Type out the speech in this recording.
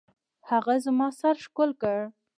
هغه زما سر ښكل كړ.